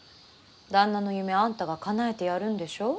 旦那の夢あんたがかなえてやるんでしょ？